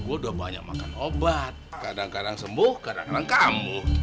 terluka sedikit pun rum